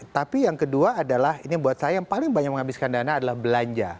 tapi yang kedua adalah ini buat saya yang paling banyak menghabiskan dana adalah belanja